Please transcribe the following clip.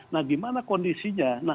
nah gimana kondisinya